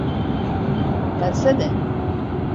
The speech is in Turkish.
Gelsene.